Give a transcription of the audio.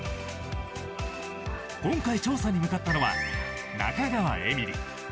今回、調査に向かったのは中川絵美里。